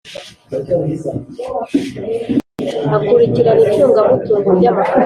Akurikirana icungamutungo ry’amafaranga